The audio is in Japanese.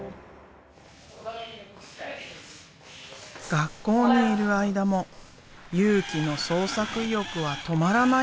学校にいる間も佑貴の創作意欲は止まらない！